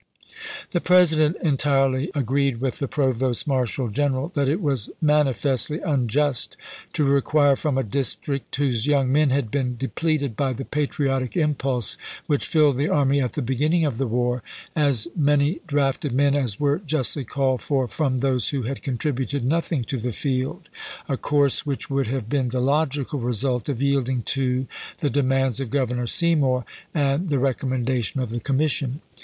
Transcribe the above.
The President entirely agreed with the Provost Marshal General that it was manifestly unjust to require from a district, whose young men had been depleted by the patriotic impulse which filled the army at the beginning of the war, as many drafted men as were justly called for from those who had contributed nothing to the field, a course which would have been the logical result of yielding to the demands of Governor Seymour and the rec ommendation of the commission.